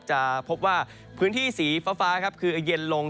จะพบว่าพื้นที่สีฟ้าครับคือเย็นลง